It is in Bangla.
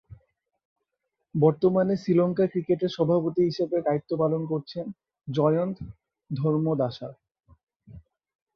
বর্তমানে শ্রীলঙ্কা ক্রিকেটের সভাপতি হিসেবে দায়িত্ব পালন করছেন জয়ন্ত ধর্মদাসা।